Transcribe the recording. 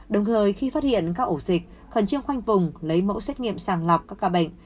đồng thời khi phát hiện các ổ dịch khẩn trương khoanh vùng lấy mẫu xét nghiệm sàng lọc các ca bệnh